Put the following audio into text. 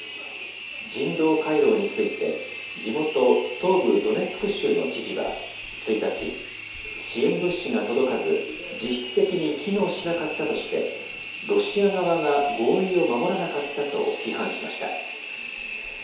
人道回廊について、地元、東部ドネツク州の知事は１日、支援物資が届かず、実質的に機能しなかったとして、ロシア側が合意を守らなかったと批判しました。